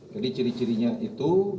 jadi ciri cirinya itu